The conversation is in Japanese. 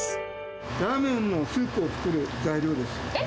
ラーメンのスープを作る材料えっ？